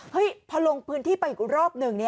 พอลงพื้นที่ไปอีกรอบหนึ่ง